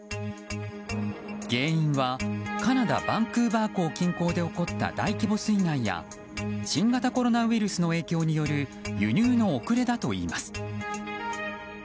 原因はカナダ・バンクーバー港近郊で起こった大規模水害や新型コロナウイルスの影響による輸入の遅れだといいます。